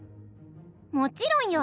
「もちろんよ。